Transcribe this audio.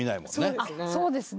あっそうですね。